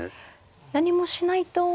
何もしないと。